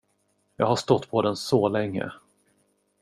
Jag har stått på den så länge.